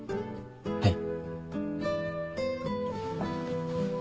はい。